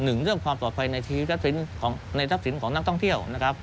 หนึ่งของความสะพาในชีวิตและทรัพย์สินของนักท่องเที่ยว